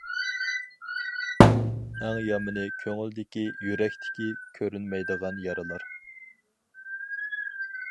ئەڭ يامىنى كۆڭۈلدىكى، يۈرەكتىكى كۆرۈنمەيدىغان يارىلار.